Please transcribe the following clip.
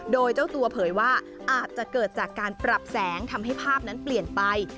โดยเจ้าตัวเผยว่าอาจจะเกิดจากการปรับแสงทำให้ภาพนั้นเปลี่ยนไป